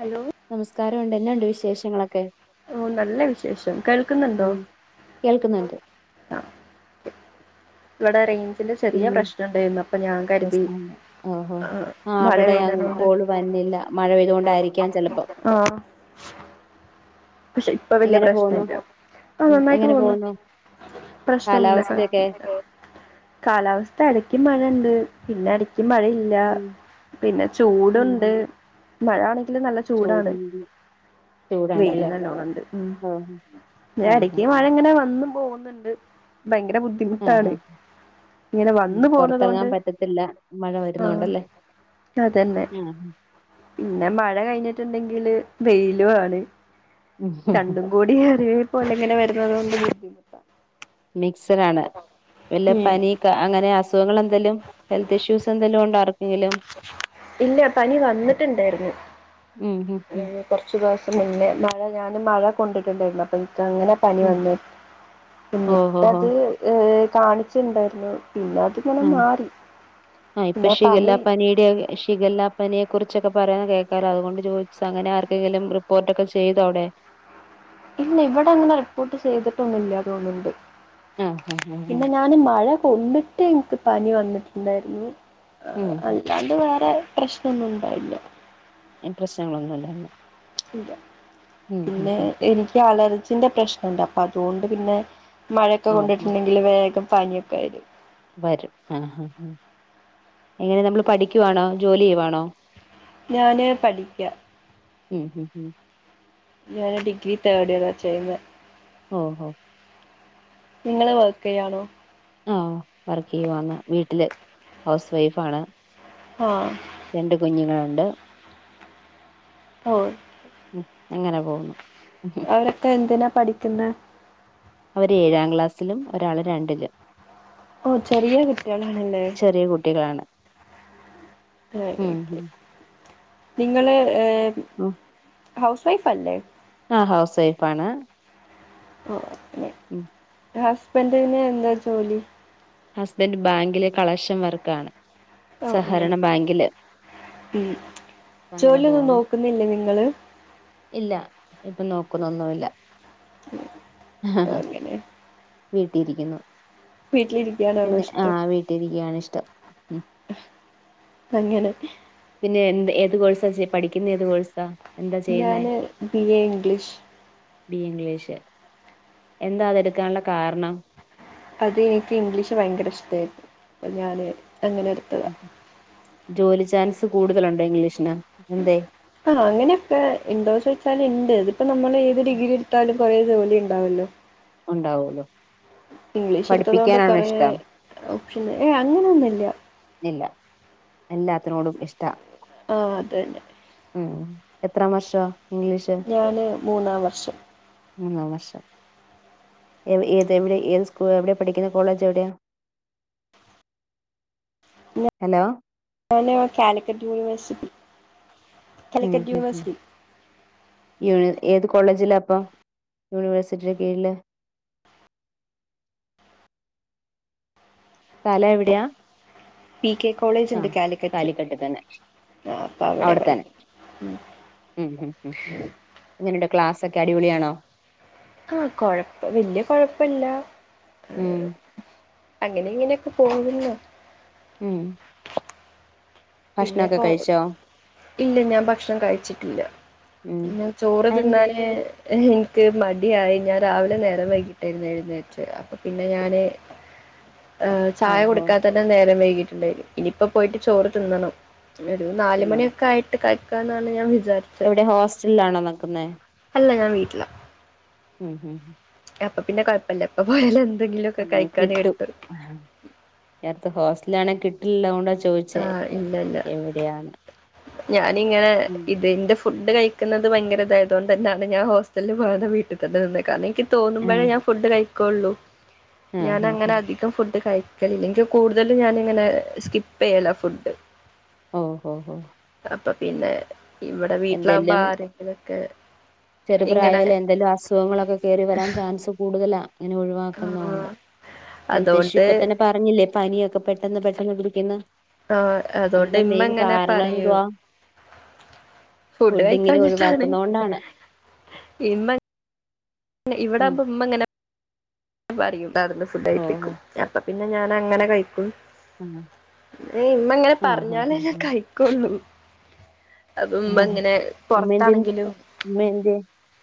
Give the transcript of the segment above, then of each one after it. Hello നമസ്കാരം ഉണ്ട് എന്നാ ഉണ്ട് വിശേഷങ്ങളൊക്കെ ഓ നല്ല വിശേഷം കേൾക്കുന്നുണ്ടോ ഉം കേൾക്കുന്നുണ്ട് ആഹ് വടറെയ് ചെറിയ പിന്നെ പ്രശ്നം ഉണ്ടായിരുന്നു അപ്പൊ ഞാൻ കരുതി പ്രശ്നണ്ട് ഓഹോ ആ മഴ അവിടെ അങ്ങ് പെയ്യുണോണ്ട് കോള് വന്നില്ല മഴ പെയ്തുകൊണ്ടായിരിക്കാം ചെലപ്പോ ആഹ് പക്ഷെ ഇപ്പൊ വലിയ എങ്ങനെ പോകുന്നു പ്രശ്നല്ല ആ ഉം നന്നായിട്ട് എങ്ങനെ പോക്ന്നു പോകുന്നു പ്രശ്നൊന്നൂല്ല കാലാവസ്ഥയൊക്കെ കാലാവസ്ഥ ഇടക്ക് മഴ പിന്നെ എടക്ക് മഴയില്ല ഉം പിന്നെ ഉം ഉം. ചൂടുണ്ട് മഴാണ നല്ല ചൂടാണ് ചൂടുണ്ട് [unintelligible] ചൂടാണല്ലേ ലോണ്ട് ഉം ആഹ് ആഹ് ഇടക്ക് ആഹ് മഴ ഇങ്ങനെ വന്നും പോകുന്നുണ്ട് ഭയങ്കര ആഹ് ബുദ്ധിമുട്ടാണ് ആഹ് ഇങ്ങനെ വന്നു പൊറത്തെറങ്ങാൻ പോന്നതൊണ്ട് പറ്റത്തില്ല മഴ ആഹ് വരുന്നോണ്ടല്ലേ അതന്നെ ആഹ് പിന്നെ മഴ കഴിഞ്ഞിട്ടുണ്ടെങ്കി ല് വെയിലും ആണ് ഉം രണ്ടും കൂടി അറി [unintelligible] എങ്ങനെ വരുന്നതൊണ്ട് ബുദ്ധിമുട്ട മിക്സട് ആണ് വല്ല ഉം പനി അങ്ങനെ അസുഖങ്ങൾ എന്ത് എന്തേലും ഹെൽത്ത് ഇഷ്യൂസ് എന്തേലും ഉണ്ടാ ആർ ഇല്ല പനി വന്നിട്ടുണ്ടായിരുന്നു ഉം ഉം അല്ലെങ്കിൽ കുറച്ച് ദിവസം മുന്നെ മഴ ഞാൻ മഴ കൊണ്ടിട്ടുണ്ടായിരുന്നു അപ്പം അങ്ങനെ പനി ഉം വന്ന ഓഹ് ഓഹ് ഓഹ് എന്നിട്ടത് ഏ കാണിച്ചിണ്ടാ യിരുന്നു ആഹ് ആഹ് ഇപ്പൊ പിന്നെ പനി ശിഖല്ലാപ്പനിയുടെ ശിഖല്ലാ പനിയെ കുറിച്ചൊക്കെ പറയണ കേൾക്കാലോ അതുകൊണ്ട് ചോദിച്ച അങ്ങനെ ആർക്കെങ്കിലും റിപ്പോർട്ട് ഒക്കെ ചെയ്തോ അവിടെ ഇല്ല ഇവിടെ അങ്ങനെ റിപ്പോർട്ട് ചെയ്തിട്ടൊന്നൂല്ല തോന്നുണ്ട് ആഹ് ആഹ് ആഹ് പിന്നെ ഞാൻ മഴ കൊണ്ടിട്ട് എനിക്ക് പനി വന്നിട്ടുണ്ടായിരുന്നു ആ ഉം അല്ലാണ്ട് വേറെ പ്രശ്നൊന്നും ഇണ്ടായില്ല പ്രശ്നങ്ങളൊന്നുല്ലാന്ന് ഇല്ല പിന്നെ എനിക്ക് അലർജിന്റെ പ്രശ്നുണ്ട് അപ്പൊ അതുകൊണ്ട് പിന്നെ മഴയൊക്കെ ഓഹ് ഓഹ് കൊണ്ടിട്ടുണ്ടെങ്കില് വേഗം പനിയൊക്കെ വരും വരും ആഹ് ഹാ ഹ് എങ്ങനെ നമ്മൾ പഠിക്കുവാണോ ജോലി ചെയ്യുവാണോ ഞാൻ പഠിക്കാ ഉം ഉം ഉം ഞാൻ ഡിഗ്രി തേർഡ് ഇയറാണ് ചെയ്യുന്നേ ഓ ഓ നിങ്ങള് വർക്ക് ചെയ്യാണോ ആഹ് വർക്ക് ചെയ്യുവാണ് വീട്ടില് ഹൗസ് വൈഫാണ് ആഹ് രണ്ട് കുഞ്ഞുങ്ങളുണ്ട് ഓഹ് ഉം അങ്ങനെ പോകുന്നു ഉം ഉം. അവരൊക്കെ എന്തിനാ പഠിക്കുന്നെ അവര് ഏഴാം ക്ലാസ്സിലും ഒരാള് രണ്ടിലും ഓ ചെറിയ കുട്ടികളാണല്ലേ ചെറിയ കുട്ടികളാണ് ഉം ഉം നിങ്ങള് ഹൗസ് വൈഫ് അല്ലേ ആഹ് ഹൗസ് വൈഫാണ് ആഹ് ഉം ഹസ്ബന്റിന് എന്താ ജോലി ഹസ്ബൻഡ് ബാങ്കിലെ കളശൻ വർക്കാണ് ഓ അങ്ങനെ സഹകരണ ബാങ്കില് ഉം അങ്ങനെ ജോലിയൊന്നും പോകുന്നു നോക്കുന്നില്ലേ നിങ്ങള് നോക്കുന്നൊന്നുല്ല [unintelligible] വീട്ടിയിരിക്കുന്നു വീട്ടിലിരിക്കാനാണോ പിന്നെ ഇഷ്ടം ആഹ വീട്ടിരിക്കുകയാണ് ഇഷ്ടം ഉം അങ്ങനെ പിന്നെ എന്ത് ഏത് കോഴസാ പഠിക്കുന്ന ഏത് കോഴ്സാ എന്താ ഞാൻ ചെയ്യുന്നത് B A English BA English എന്താതെടുക്കാനുള്ള കാരണം അത് എനിക്ക് ഇംഗ്ലീഷ് ഭയങ്കര ഇഷ്ടായിരുന്നു അ ഞാന് അങ്ങനെ എടുത്തതാ ജോലി ചാൻസ് കൂടുതലുണ്ടോ ഇംഗ്ലീഷിന് എന്തേ ആഹ അങ്ങനെയൊക്കെ എന്തോ ചോദിച്ചാൽ ഇണ്ട് ഇതിപ്പോ നമ്മള് ഏത് ഡിഗ്രി എടുത്താലും കുറെേ ജോലി ഉണ്ടാവല്ലോ ഉണ്ടാവൂലോ ഇംഗ്ലീഷ് എടുത്തത് കൊണ്ട് പഠിപ്പിക്കാനാണോ കുറെ ഇഷ്ടം ഓപ്ഷൻ ഏ അങ്ങനെ ഒന്നുമല്ല ഇല്ല എല്ലാത്തിനോടും ഇഷ്ട ആഹ അത തന്നെ ഉം എത്ര വർഷം ഞാന് മൂന്നാം വർഷം മൂന്നാം വർഷം ഏത് എവിടെ ഏത് സ്കൂ എവിടെ പഠിക്കുന്ന കോളേജ് എവിടെയാ ഹലോ ഞാന് കാലിക്കറ്റ് യൂണിവേഴ്സിറ്റി ഉം കാലിക്കറ്റ് ഉം യൂണിവേഴ്സിറ്റി യൂണിവേഴ്സിറ്റി ഏത് കോ കോളേജില അപ്പ യൂണിവേഴ്സിറ്റി കീഴില് സ്ഥലം എവിടെയാ പി കെ കോളേജ് ആഹ ഉണ്ട് കാലിക്കറ്റ് കാലിക്കട്ട് തന്നെ ആ അപ്പം അവിടെ അവിടെത്തന്നെ പഠിക്കും ഉം ഉം ക്ലാസ് ഒക്കെ അടിപൊളിയാണോ ആഹ കൊഴപ്പം വല്യ കൊഴപ്പല്ല ഏ ഉം അങ്ങനെ ഇങ്ങനെയൊക്കെ പോകുന്നോ ഉം പിന്നെ ഭക്ഷണമൊക്കെ കോ കഴിച്ചോ ഇല്ല ഞാൻ ഭക്ഷണം കഴിച്ചിട്ടില്ല ഉം ന്ന ചോറ് അതെന്തേ തിന്നാലെ എനിക്ക് മടിയായി ഞാൻ രാവിലെ നേരം വൈകിട്ടായിരുന്നു എഴുന്നേച്ച അപ്പൊ പിന്നെ ഞാന് ഏ ചായ ഓഹോ കൊടുക്കാ തന്നെ നേരം വൈകിട്ടുണ്ടായിും ഇനിയിപ്പ പോയിട്ട് ചോറ് തിന്നണം ഒരു നാല് പിന്നെ മണിയൊക്കെ ആയിട്ട് കഴ എന്നാണ് ഞാൻ വി എവിടെ ഹോസ്റ്റലിലാണോ നിക്കുന്ന അല്ല ഞാൻ വീട്ടില ഉം ഹം അപ്പൊ പിന്നെ കുഴപ്പമില്ല അപ്പ പോയാല ഉ കിട്ടും നേരത്ത ഹോസ്റ്റല ആണെങ്കിൽ കിട്ടില്ലതൊണ്ട ചോദിച്ചേ ആഹ് ഇല്ല ഇല്ല. എവിടെയാണ് ഞാനിങ്ങനെ ഇതിന്റെ ഫു ഇത് കഴിക്കുന്നത് ഭയങ്കര ഇതായതുകൊണ്ട് തന്നെയാണ് ഞാൻ ഹോസ്റ്റലിൽ പോകാതെ വീട്ട തന്ന നിന്ന് കാരണം ആഹ് തോന്നുമ്പോഴേ ഞാൻ ഫുഡ് കഴിക്കുള്ളൂ ഞാൻ ആഹ് അങ്ങനെ ആഹ് അധികം ഫുഡ് കഴിക്ക ങ്കക്ക് കൂടുതലും ഞാനിങ്ങനെ സ്കിപ്പ് ചെയ്യല ഫുഡ് ഓ ഓ ഓ അപ്പൊ പിന്നെ ഇവിടെ വീട്ടിലാകുമ്പ ആരെങ്കിലൊക്കെ ഇങ്ങനെ ചെറുപ്രായാലേ എന്തെങ്കിലും അസുഖങ്ങളൊക്കെ കയറി വരാൻ ചാൻസ് കൂടുതലാ അങ്ങനെ ആ ഒഴിവാക്കുന്നണ്ട് ഹെൽത്ത് ഇഷ്യൂ അതുകൊണ്ട് ഇപ്പ തന്നെ പറഞ്ഞില്ലേ പനിയൊക്കെ പെട്ടെന്ന് പെട്ടെന്ന് കുടിക്കന്ന് ആ അതുകൊണ്ട് അതിന്റെ ഇമ്മ മെയിൻ ഇങ്ങനെ കാരണം പറയും എന്തുവാ ഫുഡ് ഫുഡ്ഡിങ്ങിനെ കഴിക്കാഞ്ഞിട്ടാണ് ഒഴിവാക്കുന്ന കൊണ്ടാണ് പി ഇവിട ആവുമ്പോ ഇമ്മ ഇങ്ങനെ പറയും അടുന്ന് ഫുഡ് ഓ കയപ്പിക്കും അപ്പൊ പിന്നെ ഞാൻ അങ്ങനെ കഴിക്കും ആഹ് ഇമ്മങ്ങനെ ആഹ് ആഹ് പറഞ്ഞാലേ ഞാൻ ആഹ് കഴിക്കൊള്ളു അപ്പൊ ഇമ്മ ആഹ് ഇങ്ങനെ ഉമ്മ എന്തെ പുറത്താണെങ്കിലും ഉമ്മ എന്തെ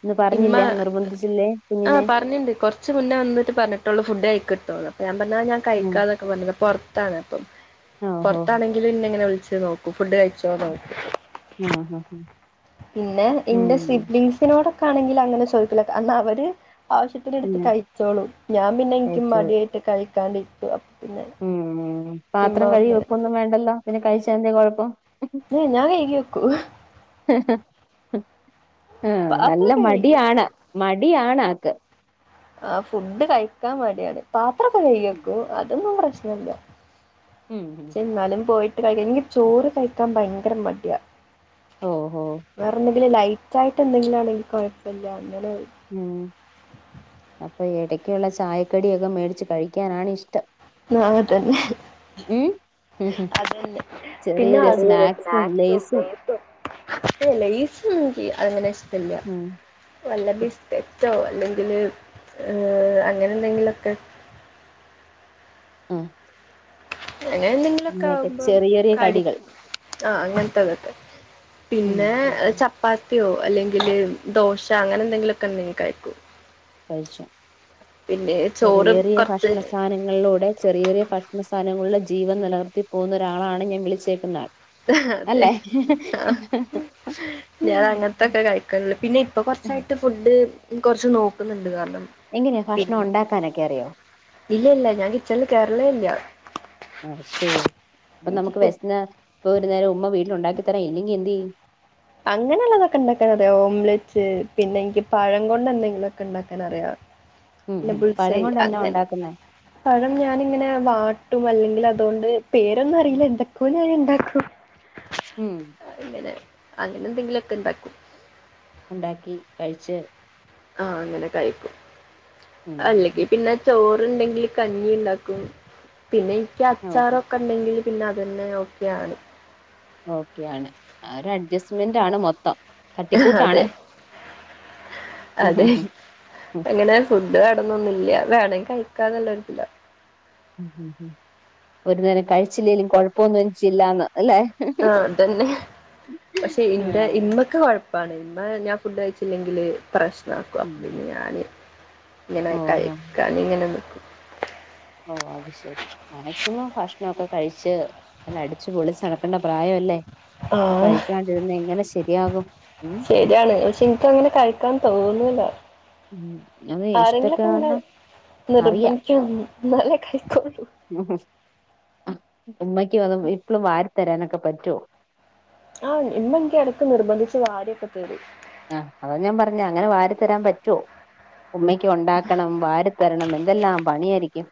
ഇന്ന് ഇമ്മ പറഞ്ഞില്ല നിർബന്ധിച്ചില്ലേ ആഹ കുഞ്ഞിനെ പറഞ്ഞിണ്ട് കൊറച്ച് മുന്ന എന്നിട്ട്പറഞ്ഞിട്ടൊള്ളു ഫുഡ് കഴക്ക് കിട്ടോള്ളൂ അപ്പ ഞാൻ ഉം കഴിക്കാന്നൊക്കെ പറഞ്ഞത് പ പുറത്താണ് അപ്പം ഓഹോ പുറത്താണെങ്കിൽ ഇന്ന ഇങ്ങനെ വിളിച്ചത് നോക്കൂ ഫുഡ് കഴിച്ചോ നോക്കൂ ആഹ് ആഹ് പിന്നെ എന്റെ ഉം സിബ്ലിസിനോടൊക്കെ ആണെങ്കിൽ അങ്ങനെ ചോദിക്കാനെങ്കിൽ എന്ന അവര് ആവശ്യത്തിന എടുത്ത് പിന്നെ കഴിച്ചോളൂ ഞാൻ പിന്നെ എനിക്കും കഴിച്ചോ മടിയായിട്ട് കഴിക്കാണ്ടിരിക്ക പിന്നെ ഉം ഇമ്മ പാത്രം കഴി വന്ന് വെക്കൊന്നും വേണ്ടല്ലോ പിന്നെ കഴിച്ച എന്താ കുഴപ്പം ഞാൻ കഴകി വെകും ആഹ നല്ല മടിയാണ് മടിയാണ് ആക്ക് ആ ഫുഡ് കഴിക്കാൻ മടിയാണ് പത്രക്കെ കഴുകി ഉം വെക്കും അതൊന്നും പ്രശ്നമില്ല ഉം ഉം ചെന്നാലും പോയിട്ട് കഴിക്കാം എനിക്ക് ചോറ് കഴിക്കാൻ ഭയങ്കര മടിയാ ഓ ഓ പി ലൈറ്റായിട്ട എന്തെങ്കിലും ആണെങ്കിൽ കുഴപ്പമില്ല അങ്ങനെ ഉം അപ്പൊ ഇടക്കുള്ള ചായക്കടിയൊക്കെ മേടിച്ച് കഴിക്കാനാണ് ഇഷ്ടം ആ അങ്ങനെ തന്നെ ഉം ഉം ഉം അതന്നെ ചെറിയ പിന്നെ ചെറിയ അടുരെ സ്നാക്സും സ്നാക്സോ ബ ലേസും [inaudible] ലൈസ് ഒന്നും അങ്ങനെ ഇഷ്ടല്ല. ഉം വല്ല ബിസ്കറ്റോ അല്ലെങ്കില് അങ്ങനെ എന്തെങ്കിലൊക്കെ ആഹ് അങ്ങനെ എന്തെങ്കിലുംക്കെ അങ്ങനെയൊക്കെ ആകുമ്പോ ചെറിയ ചെറിയ കടികൾ കടിച്ചു ആ അങ്ങനത്തെതൊക്കെ ഉം പിന്നെ ഉം ഉം ചപ്പാത്തി യോ അല്ലെങ്കില് ദോശ അങ്ങനെ എന്തെങ്കിലുമൊക്കെ ഉണ്ടങ്കിൽ കഴിക്കും കഴിച്ചു പിന്നെ ചെറിയ ചോറ് ചെറിയ കുറച്ച് ഭക്ഷണ സാനങ്ങളിലൂടെ ചെറിയ ചെറിയ ഭക്ഷണ സാധങ്ങളിൽ ജീവൻ നിലനിർത്തി പോകുന്ന ഒരാളാണ് ഞാൻ വിളിച്ചേക്കുന്ന ആൾ, അതെ അല്ലേ ഞാൻ അങ്ങനത്തൊക്കെ കഴിക്കണ പിന്നെ ഇപ്പൊ കുറച്ചയിട്ട് ഫുഡ് കുറച്ച് നോക്കുന്നുണ്ട് കാരണം എങ്ങനെയാ ഭക്ഷണം പിന്നെ ഉണ്ടാക്കാനൊക്കെ അറിയോ ഇല്ല ഇല്ല ഞാൻ കിച്ചണിൽ കയറെലെ ഇല്ല ആ ഷോ അപ്പൊ എനിക്ക് നമുക്ക് ഫുഡ് വേഷന്നാ ഇപ്പൊ ഒരു നേരം ഉമ്മ വീട്ടിൽ ഉണ്ടാക്കിത്തരാൻ ഇല്ലെങ്കി എന്ത്‌ ചെയ്യും അങ്ങനെുള്ളതൊക്കെ ഉണ്ടാക്കാൻ അറിയാം ഓംലറ്റ്സ് പിന്നെ എനിക്ക് പഴം കൊണ്ട് എന്തെങ്കിലുംക്കെ ഉണ്ടാക്കാൻ അറിയാ ഉം ഉം ബുൾസ പഴം കൊണ്ട് എന്നാ അങ്ങനെ ഉണ്ടാക്കുന്നെ പഴം ഞാനിങ്ങനെ വാ ട്ടും. അല്ലെങ്കിൽ അതുകൊണ്ട് പേരൊന്നും അറിയില്ല എന്താക്കഞൻണ്ടാക്കും ഉം ഇങ്ങനെ അങ്ങനെ എന്തെങ്കിലുംക്കെ ഇണ്ടാക്കും ഉണ്ടാക്കി കഴിച്ച് ആഹ അങ്ങനെ കഴിക്കും ഉം ഉം, അല്ലെങ്കി ഉം. പിന്നെ ചോറ് ണ്ടെങ്കിൽ കഞ്ഞി ഉണ്ടാക്കും പിന്നെ എനിക്ക് ഓഹോ അച്ചാറൊക്കെ ഉണ്ടെങ്കിൽ പിന്നെ അതുന്നെ ഓക്കെയാണ് ഓക്കൊണ് ഒരു അഡ്ജസ്റ്റ്മെന്റ് ആണ് മൊത്തം അതെ തട്ടിക്കൂട്ടാണ് ഉം അതെ ഉം ഉം ഉം അങ്ങനെ ഫുഡ് വേണോന്നോന്നുല്ല വേണെ കഴിക്കാല്ലത്തില്ല ഉ ഉംം ഒരു നേരം കഴിച്ചില്ലേങ്കലും കൊഴപ്പൊന്നും എനിച്ചില്ലന്ന് ആ അതന്നെ പക്ഷെ ഇന്റെ ആഹ് ഇമ്മൊക്കെ കൊഴപ്പാണ് ഇമ്മ ഞാൻ ഫുഡ് കയിച്ചില്ലെങ്കിൽ പ്രശ്നമാക്കും ഉം അന്ന ഞാൻ ഇങ്ങനെ ഓഹോ കഴിക്കാൻ ഇങ്ങനെ നിൽക്കും ഭഷണോക്കെ കഴിച്ച് നല്ല അടിച്ച് പൊളിച്ച് നടക്കേണ്ട പ്രായല്ലേ? ആഹ ശരിയാകും ഉം ശരിയാണ്, പക്ഷെ എനക്ക് അങ്ങനെ കഴിക്കാൻ തോ [unintelligible] ഉം അത് ഇഷ്ടൊക്കെ നിർബന്ധിക്ക ന്നാലെ കൈക്കോള്ളൂ ഉമ്മക്ക് വത് ഇപ്പളും വാരിത്തരാനൊക്കെ പറ്റോ ആഹ ഇമ്മ ഇൻക്ക് എടക്ക് നിർബന്ധിച്ച് വാരിയൊക്കെ തെരും ആഹ അതാ ഞാൻ പറഞ്ഞ അങ്ങനെ വാരി തരാൻ പറ്റോ ഉമ്മയ്ക്ക് ഉണ്ടാക്കണം വാരിത്തരണം എന്തെല്ലാം പണിയരിക്കും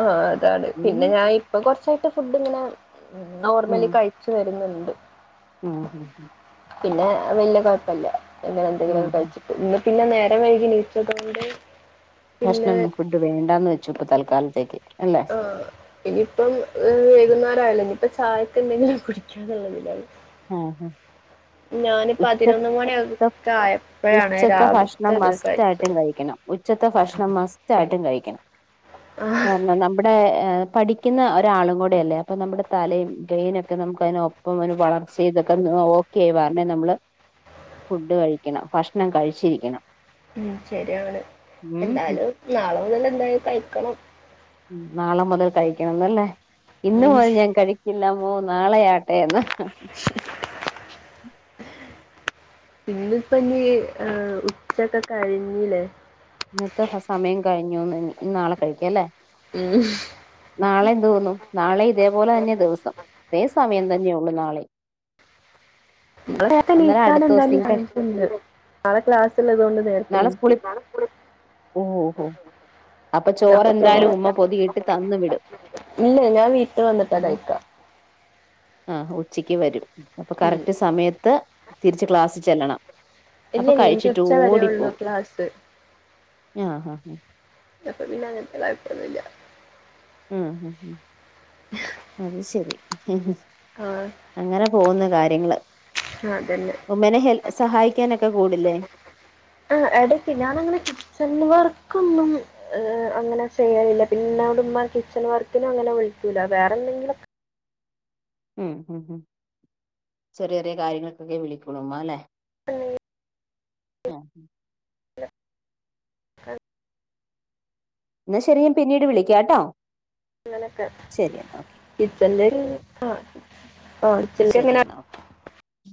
ആഹ അതാണ് പിന്നെ ഞാൻ ഇപ്പൊ കൊറച്ചായിട്ട് ഫുഡ്‌ ഇങ്ങനെ ഉം ഉം നോർമലി കഴിച്ചു വരുന്നു [unintelligible] പിന്നെ വല്യ കൊഴപ്പല്ല ഇങ്ങനെ ഉം എന്തെങ്കിലൊക്കെ ഉം കഴിച്ചിട്ട് ഇന്ന് പിന്നെ നേരം വൈകി നീച്ചതൊണ്ട് ഭക്ഷണം ഫുഡ് വേണ്ടാന്ന് വെച്ചു ഇപ്പൊ തൽക്കാലത്തേക്ക് അല്ലെ ആഹ് ഇനിയിപ്പം വെയ്‌കുന്നാരായല്ലോ ഇനിയിപ്പാ ചായക്കെന്തെങ്കിലും കുടിക്കാന്നുള്ളതിലാണ് ആഹ ഹ ഞാന് ഉച്ച പതിനൊന്ന് മണി ഒക്കെ ആയപ്പോഴാണ് ഉച്ചത്തെ ഭക്ഷണം രാവിലത്തെ ഇത് മസ്റ്റ് ആയിട്ടും കഴിച്ചത് കഴിക്കണം ഉച്ചത്തെ ഭക്ഷണം മസ്റ്റ് ആയിട്ടും കഴിക്കണം ആഹ് കാരണം നമ്മുടെ ഏ പഠിക്കുന്ന ഒരാളും കൂടെയല്ലേ അപ്പൊ നമ്മുടെ തലയും ബ്രെയിനൊക്കെ നമുക്ക് അയ്ന് ഒപ്പം വളർ തൊക്കെ ഓക്കെയി വരണെ നമ്മള് ഫുഡ് കഴിക്കണം ഭക്ഷണം കഴിച്ചിരിക്കണം ഉം ശരിയാണ് ഉം എന്തയാലും നാളെ മുതൽ എന്തായി കഴിക്കണം ഉം നാളെ മുതൽ കഴിക്കണംന്നല്ലേ ഇന്ന് ഉം മുതൽ ഞാൻ കഴിക്കില്ല മ്മോ നാളെയാ [unintelligible] [inaudible] ഇന്ന്പ്പഞ്ഞി ഏഹ് ഉച്ചക്കെ കഴിഞ്ഞിലെ ഇന്നത്തെ സമയം കഴിഞ്ഞൂന്ന് ഇനി നാളെ കഴിക്കല്ലേ നാളെ എന്ത് തോന്നും നാളെ ഇതേപോലെ തന്നെ ദിവസം ഇതേ സമയം തന്നെ യൊള്ളു നാലിം [unintelligible] നേര്ത്തെ നീക്കാനന്താലും ചാൻസ് ഉണ്ട് നാളെ ക്ലാസ്സള്ളതോണ്ട് നേർത്തെ നീക്കും ഓഓഹോ അപ്പൊ ചോറെന്തായാലും ഉമ്മ പൊതി ഇട്ട് തന്ന് വിടും ഇല്ല ഞാൻ വീട്ട് വന്നിട്ടാ കഴിക്ക ആ ഉച്ചയ്ക്ക് വരും അപ്പൊ ഉം കറക്റ്റ് സമയത്ത് തിരിച്ച് ക്ലാസ്സി ചെല്ലണം ഇല്ല അപ്പൊ ഇല്ല എനിക്ക് കഴിച്ചിട്ട് ഉച്ച വരേ ഓടിപ്പോ ഉള്ളൂ ക്ലാസ് ആഹ ഹഹ അപ്പൊ പിന്നെ അങ്ങനത്തെ കൊഴപ്പൊന്നൂല്ല ആഹ ഹ അത് ശരി ആഹ് അങ്ങനെ പോകുന്നു കാര്യങ്ങള് അതന്നെ ഉമ്മനെ ഹെൽ സഹായിക്കാനൊക്കെ കൂടില്ലേ ആ എടയ്ക്ക് ഞാനന്നങ്ങനെ അങ്ങനെ കിച്ചന് വർ ക്കൊന്നും ഏഹ് അങ്ങന ചെയ്യാറില്ല [unintelligible] ന്നൊടുമ്മ കിച്ചൺ വർക്കിനു അങ്ങനെ വിളിക്കൂല വേറെ നിങ്ങള ക ഉം ഉം ഉം ചെറേ ചെറേ കാര്യങ്ങൾക്കൊക്കെ വിളികൊള്ളുമ്മ അല്ലെ [unintelligible] ആഹ [inaudible] എന്നാ ശെരി [unintelligible] പിന്നീട് വിളിക്കാട്ടോ ശരി എന്നാ ഓക്കെ [inaudible] കിച്ചണിലേക്ക് ശരി അങ്ങനെ എന്നാ ഓക്കേ